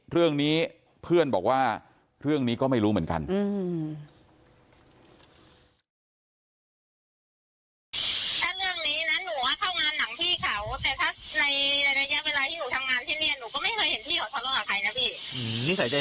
เรื่องนี้เพื่อนบอกว่าเรื่องนี้ก็ไม่รู้เหมือนกัน